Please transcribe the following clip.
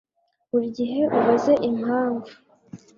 buri gihe ubaze impamvu